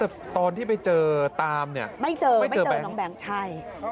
แต่ตอนที่ไปเจอตามไม่เจอนองแบงค์ใช่